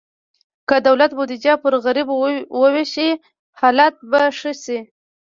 که د دولت بودیجه پر غریبو ووېشل شي، حالت به ښه شي.